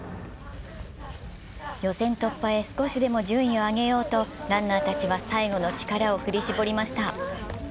予選突破へ少しでも順位を上げようとランナーたちは最後の力を振り絞りました。